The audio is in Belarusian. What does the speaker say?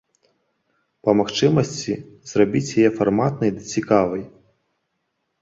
Па магчымасці, зрабіць яе фарматнай ды цікавай.